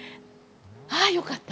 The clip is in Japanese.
ああよかった！